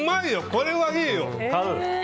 これはいいよ！